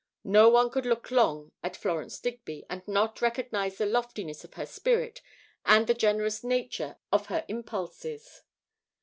No one could look long at Florence Digby and not recognize the loftiness of her spirit and the generous nature of her impulses.